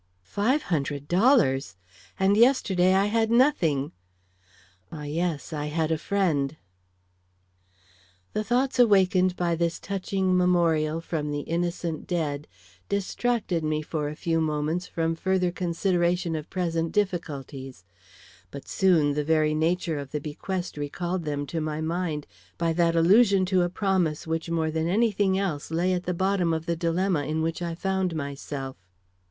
Five hundred dollars! and yesterday I had nothing. Ah, yes, I had a friend! The thoughts awakened by this touching memorial from the innocent dead distracted me for a few moments from further consideration of present difficulties, but soon the very nature of the bequest recalled them to my mind, by that allusion to a promise which more than any thing else lay at the bottom of the dilemma in which I found myself.